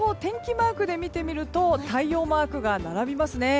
マークで見てみると太陽マークが並びますね。